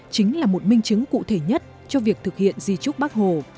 chính là một minh chứng cụ thể nhất cho việc thực hiện di trúc bác hồ